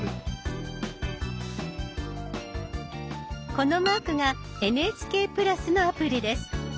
このマークが「ＮＨＫプラス」のアプリです。